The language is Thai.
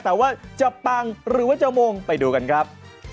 แต่ว่าจะปังหรือว่าจะมงไปดูกันครับ